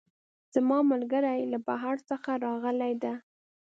زما ملګرۍ له بهر څخه راغلی ده